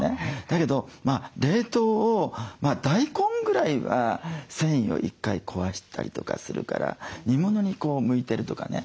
だけど冷凍を大根ぐらいは繊維を１回壊したりとかするから煮物に向いてるとかね